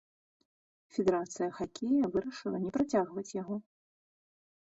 Федэрацыя хакея вырашыла не працягваць яго.